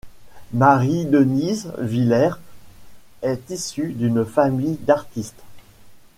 Marie-Denise Villers est issue d’une famille d’artistes.